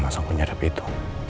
masak pengadap itu